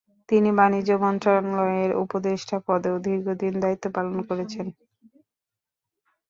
তিনি বাণিজ্য মন্ত্রণালয়ের উপদেষ্টা পদেও দীর্ঘদিন দায়িত্ব পালন করেছেন।